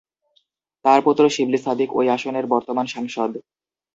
তার পুত্র শিবলী সাদিক ঐ আসনের বর্তমান সাংসদ।